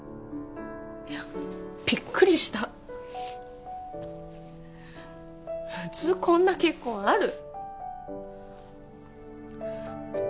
びっくりした普通こんな結婚ある？